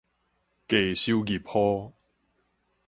低收入戶